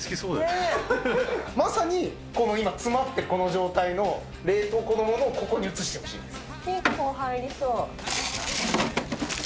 まさに今詰まってるこの状態の冷凍庫のものをここに移してほしいんです。